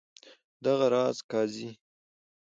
دغه راز قاضي.